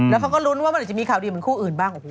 แล้วเขาก็ลุ้นว่าเมื่อไหร่จะมีข่าวดีเหมือนคนบ้าง